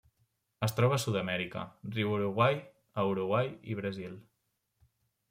Es troba a Sud-amèrica: riu Uruguai a Uruguai i Brasil.